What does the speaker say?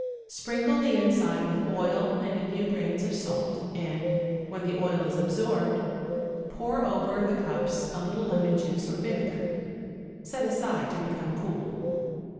Sprinkle the inside with oil and a few grains of salt, and, when the oil is absorbed, pour over the cups a little lemon juice or vinegar. Set aside to become cool.